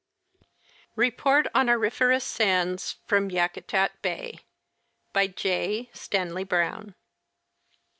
REPORT ON AURIFEROUS SANDS FROM YAKUTAT BAY. BY J. STANLEY BROWN.